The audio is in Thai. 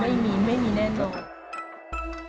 ไม่มีไม่มีแน่นอน